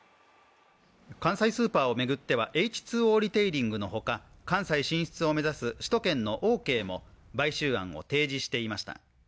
関西スーパーを巡ってはエイチ・ツー・オーリテイリングとの経営統合案が関西進出を目指す首都圏のオーケーも買収案を提示していました。